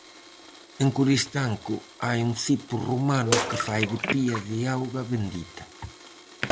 En Coristanco hai un cipo romano que fai de pía de auga bendita.